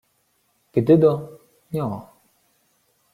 — Піди до... нього.